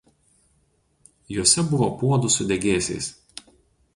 Juose buvo puodų su degėsiais.